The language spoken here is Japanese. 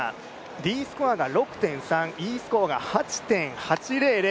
Ｄスコアが６．３、Ｅスコアが８．８００。